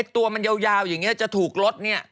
ตัวมันยาวอย่างนี้จะถูกรถเนี่ย